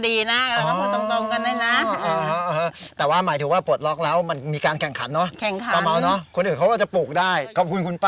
อีต้นไม่ปลดล็อกอ่ะราคามันก็จะดีนะ